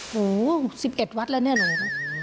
โหสิบเอ็ดวัดแล้วเนี่ยหนู